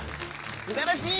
「すばらしい！」